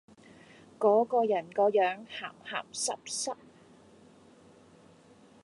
果個人個樣鹹鹹濕濕